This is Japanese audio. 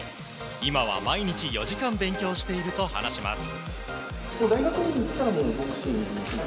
今は毎日４時間勉強していると話します。